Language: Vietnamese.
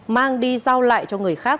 mang đi giao lại cho người khác